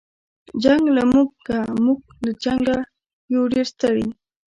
جنګ له موږه موږ له جنګه یو ډېر ستړي